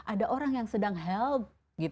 ada orang yang sedang health